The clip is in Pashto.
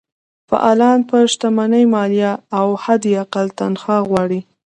فعالان پر شتمنۍ مالیه او حداقل تنخوا غواړي.